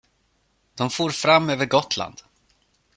De for fram över Gotland.